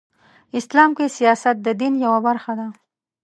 اسلام کې سیاست د دین یوه برخه ده .